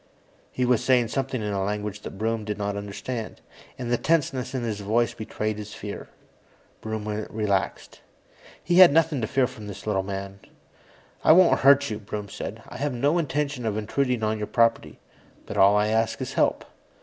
He was saying something in a language that Broom did not understand, and the tenseness in his voice betrayed his fear. Broom relaxed. He had nothing to fear from this little man. "I won't hurt you," Broom said. "I had no intention of intruding on your property, but all I ask is help."